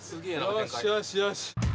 ・よしよしよし